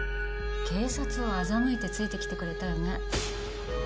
警察を欺いてついてきてくれたよね